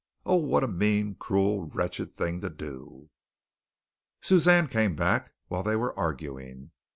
Oh, what a mean, cruel, wretched thing to do! Suzanne came back while they were arguing.